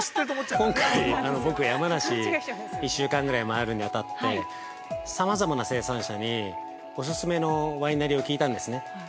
今回、僕、山梨、１週間ぐらいいるに当たってさまざまな生産者におすすめのワイナリーを聞いたんですね。